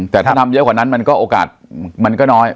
แต่ถ้าทำเยอะกว่านั้นมันก็โอกาสมันก็น้อย